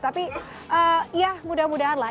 tapi ya mudah mudahan lah